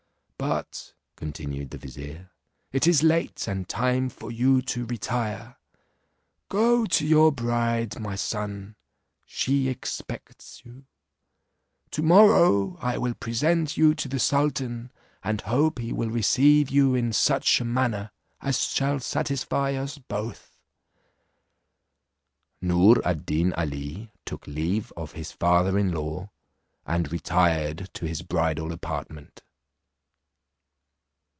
But," continued the vizier, "it is late, and time for you to retire; go to your bride, my son, she expects you: to morrow, I will present you to the sultan, and hope he will receive you in such a manner as shall satisfy us both." Noor ad Deen Ali took leave of his father in law, and retired to his bridal apartment.